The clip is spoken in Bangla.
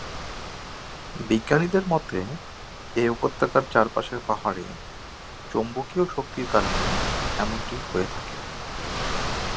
বিজ্ঞানীদের মতে, এ উপত্যকার চারপাশের পাহাড়ে চৌম্বকীয় শক্তির কারণে এমনটি হয়ে থাকে।